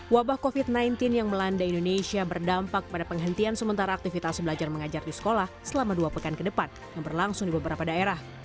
wabah covid sembilan belas yang melanda indonesia berdampak pada penghentian sementara aktivitas belajar mengajar di sekolah selama dua pekan ke depan yang berlangsung di beberapa daerah